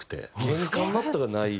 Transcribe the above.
玄関マットがない？